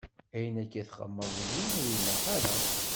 Ayen akka i txedmeḍ deg-i, ur ilaq ara.